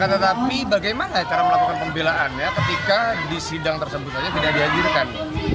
tetapi bagaimana cara melakukan pembelaan ketika di sidang tersebut tidak dihajarkan